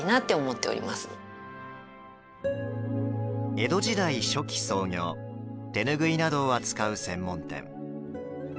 江戸時代初期創業手拭いなどを扱う専門店。